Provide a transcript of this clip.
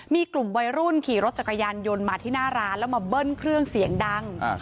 มีกลุ่มวัยรุ่นขี่รถจักรยานยนต์มาที่หน้าร้านแล้วมาเบิ้ลเครื่องเสียงดัง